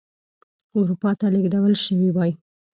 اروپا ته لېږدول شوي وای.